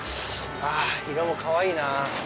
色もかわいいな。